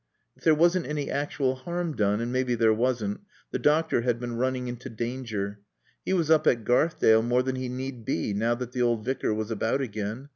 If there wasn't any actual harm done, and maybe there wasn't, the doctor had been running into danger. He was up at Garthdale more than he need be now that the old Vicar was about again.